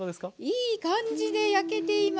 いい感じで焼けています。